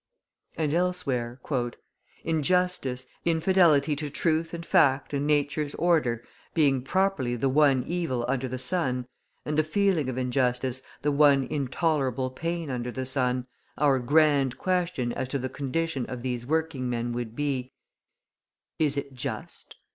And elsewhere: {117b} "Injustice, infidelity to truth and fact and Nature's order, being properly the one evil under the sun, and the feeling of injustice the one intolerable pain under the sun, our grand question as to the condition of these working men would be: Is it just?